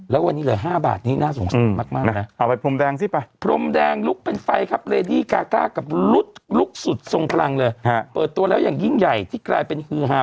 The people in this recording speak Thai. แล้ววันนี้เลย๕บาทนี่น่าสงสัยมากนะ